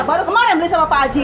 baru kemarin beli sama pak haji